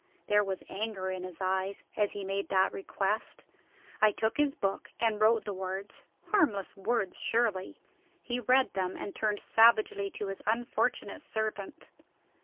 There was anger in his eyes as he made that request. I took his book, and wrote the words harmless words, surely? He read them, and turned savagely to his unfortunate servant.